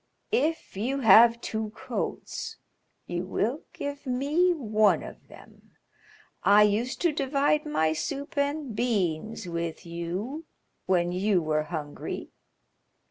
If you have two coats you will give me one of them. I used to divide my soup and beans with you when you were hungry."